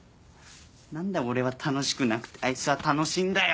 何で俺は楽しくなくてあいつは楽しいんだよ！